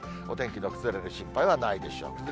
お天気の崩れる心配はないでしょう。